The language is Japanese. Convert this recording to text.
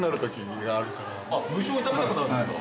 無性に食べたくなるんですか？